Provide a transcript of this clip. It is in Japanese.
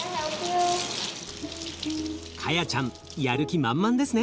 カヤちゃんやる気満々ですね。